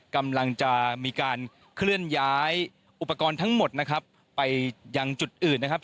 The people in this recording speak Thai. กำลังจะมีการเคลื่อนย้ายอุปกรณ์ทั้งหมดนะครับไปยังจุดอื่นนะครับ